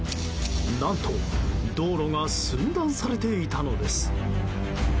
何と、道路が寸断されていたのです。